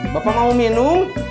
bapak mau minum